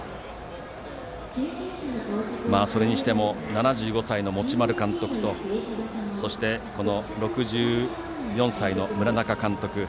それにしても７５歳の持丸監督とそして、６４歳の村中監督。